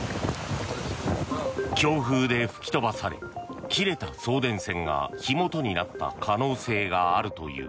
強風で吹き飛ばされ切れた送電線が火元になった可能性があるという。